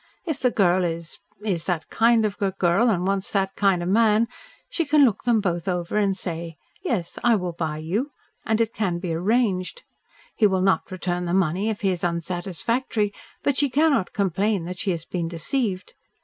If the girl is is that kind of a girl and wants that kind of man, she can look them both over and say, 'Yes, I will buy you,' and it can be arranged. He will not return the money if he is unsatisfactory, but she cannot complain that she has been deceived.